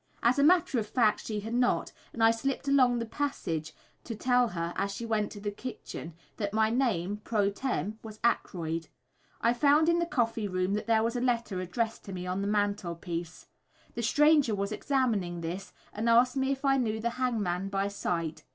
As a matter of fact she had not, and I slipped along the passage to tell her, as she went to the kitchen, that my name, pro tem, was Aykroyd. I found in the coffee room that there was a letter addressed to me, on the mantel piece. The stranger was examining this, and asked me if I knew the hangman by sight.